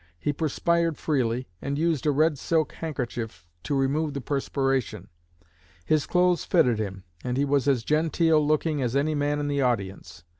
He perspired freely, and used a red silk handkerchief to remove the perspiration. His clothes fitted him, and he was as genteel looking as any man in the audience.